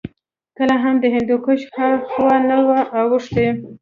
کله هم د هندوکش هاخوا نه وو اوښتي